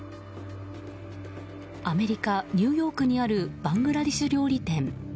アメリカ・ニューヨークにあるバングラデシュ料理店。